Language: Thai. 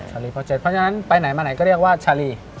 ๗เพราะฉะนั้นไปไหนมาไหนก็เรียกว่าชาลี